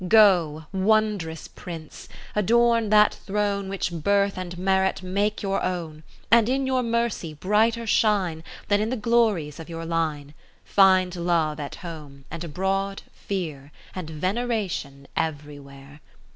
Go, wondrous Prince, adorn that Throne Which birth and merit make your own; 60 And in your mercy brighter shine Than in the glories of your line ; Find love at home, and abroad fear, And veneration everywhere.